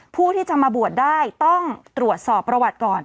ผู้ที่จะมาบวชได้ต้องตรวจสอบประวัติก่อน